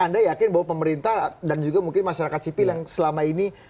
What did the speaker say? anda yakin bahwa pemerintah dan juga mungkin masyarakat sipil yang selama ini